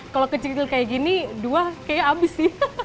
kalau kecil kecil kayak gini dua kayaknya habis sih